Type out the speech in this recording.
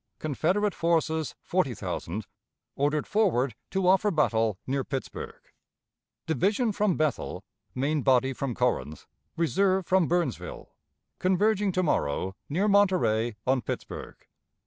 Confederate forces forty thousand; ordered forward to offer battle near Pittsburg. "Division from Bethel, main body from Corinth, reserve from Burnsville, converging to morrow, near Monterey, on Pittsburg.